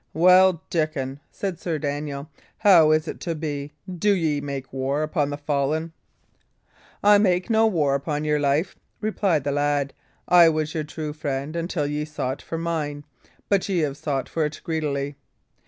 "Well, Dickon," said Sir Daniel, "how is it to be? Do ye make war upon the fallen?" "I made no war upon your life," replied the lad; "I was your true friend until ye sought for mine; but ye have sought for it greedily."